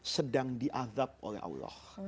sedang diadab oleh allah